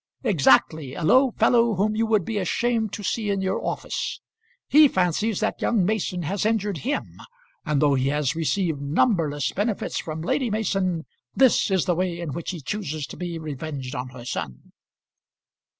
"Exactly; a low fellow whom you would be ashamed to see in your office! He fancies that young Mason has injured him; and though he has received numberless benefits from Lady Mason, this is the way in which he chooses to be revenged on her son."